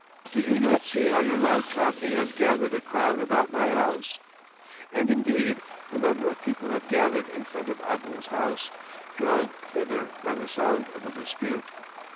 Do you not see how your loud talking has gathered a crowd about my house?" And indeed a number of people had gathered in front of Abul's house, drawn thither by the sound of the dispute.